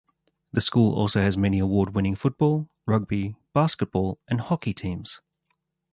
The school also has many award-winning Football, Rugby, Basketball and Hockey teams.